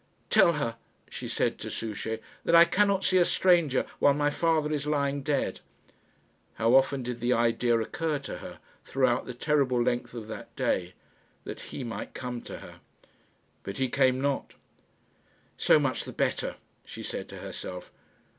"Tell her," she said to Souchey, "that I cannot see a stranger while my father is lying dead." How often did the idea occur to her, throughout the terrible length of that day, that "he" might come to her? But he came not. "So much the better," she said to herself.